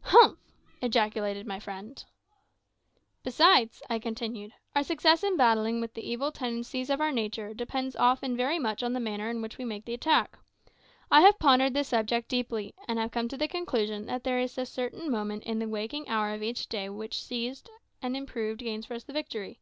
"Humph!" ejaculated my friend. "Besides," I continued, "our success in battling with the evil tendencies of our natures depends often very much on the manner in which we make the attack. I have pondered this subject deeply, and have come to the conclusion that there is a certain moment in the awaking hour of each day which if seized and improved gains for us the victory.